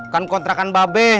kan kontrakan babeh